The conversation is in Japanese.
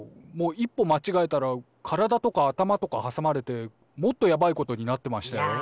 もう一歩まちがえたらからだとか頭とかはさまれてもっとやばいことになってましたよ。